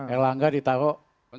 erlangga ditaruh menko